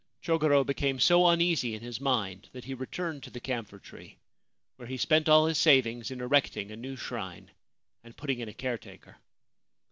Chogoro became so uneasy in his mind that he returned to the camphor tree, where he spent all his savings in erecting a new shrine and putting in a caretaker.